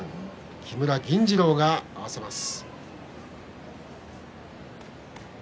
木村銀治郎が合わせます。